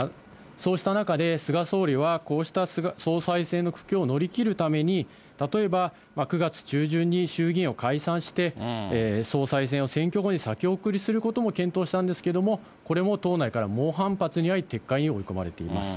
そうした中で菅総理は、こうした総裁選の苦境を乗り切るために、例えば、９月中旬に衆議院を解散して、総裁選を選挙後に先送りすることも検討したんですけれども、これも党内から猛反発にあい、撤回に追い込まれています。